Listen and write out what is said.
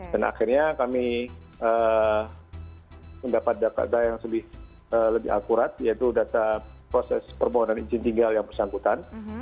dan akhirnya kami mendapat data yang lebih akurat yaitu data proses permohonan izin tinggal yang bersangkutan